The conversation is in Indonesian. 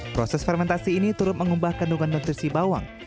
proses fermentasi ini turut mengubah kandungan nutrisi bawang